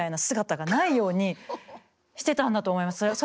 姿がないようにしてたんだと思います。